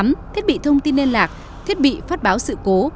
tám thiết bị thông tin liên lạc thiết bị phát báo sự cố